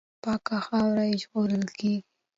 پاکه خاوره یې ژغورل کېږي.